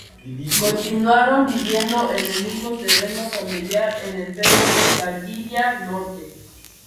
Continuaron viviendo en el mismo terreno familiar en Pedro de Valdivia Norte.